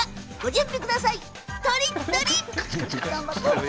とりっとり！